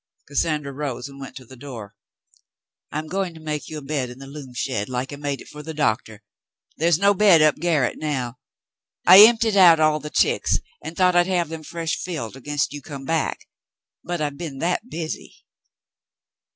Cassandra rose and went to the door. "I'm going to make you a bed in the loom shed like I made it for the doc tor. There is no bed up garret now. I emptied out all the ticks and thought I'd have them fresh filled against you come back — but I've been that busy."